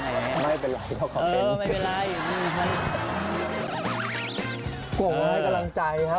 โกงให้กำลังใจครับ